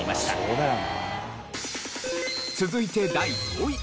続いて第５位。